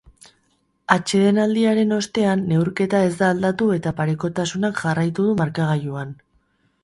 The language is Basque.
Atsedenaldiaren ostean neurketa ez da aldatu eta parekotasunak jarraitu du markagailuan.